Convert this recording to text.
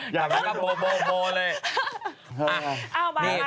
กลับมาแล้วโบโบเลย